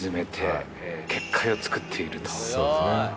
そうですね。